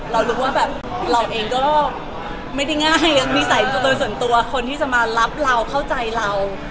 เรารู้ว่าแบบเราเองก็ไม่ได้ง่ายนิสัยโดยส่วนตัวคนที่จะมารับเราเข้าใจเรา